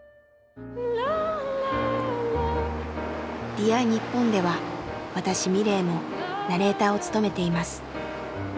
「Ｄｅａｒにっぽん」では私ｍｉｌｅｔもナレーターを務めています。